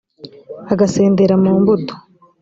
agasendera mu mbuto.